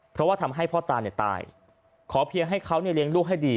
เพราะว่าทำให้พ่อตาเนี่ยตายขอเพียงให้เขาเลี้ยงลูกให้ดี